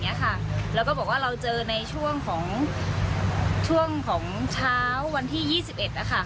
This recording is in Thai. เนี้ยค่ะแล้วก็บอกว่าเราเจอในช่วงของช่วงของเช้าวันที่ยี่สิบเอ็ดนะคะ